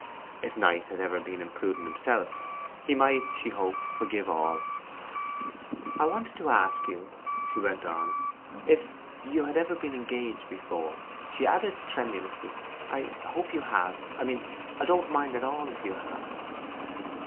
If Knight had ever been imprudent himself, he might, she hoped, forgive all. 'I wanted to ask you,' she went on, 'if you had ever been engaged before.' She added tremulously, 'I hope you have I mean, I don't mind at all if you have.